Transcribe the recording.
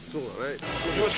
よし！